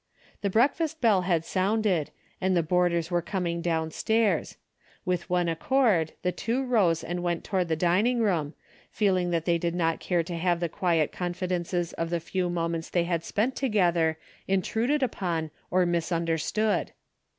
The breakfast bell had sounded, and the board ers were coming downstairs. With one accord the two rose and went toward the dining room, feeling that they did not care to have the quiet confidences of the few moments they had spent together intruded upon or misun derstood.